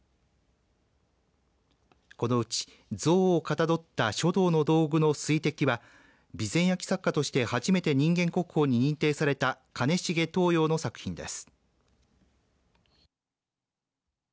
このうち象をかたどった書道の道具の水滴は備前焼作家として初めて人間国宝に認定された金重陶陽の作品です。